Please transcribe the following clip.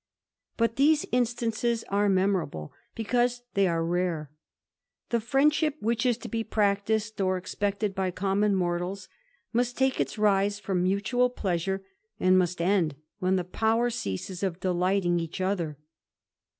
But these instances are memorable, because they are rare. The friendship which is to be practised or expected by common mortals, must take its rise from mutual pleasure^ and must end when the power ceases of delighting each other.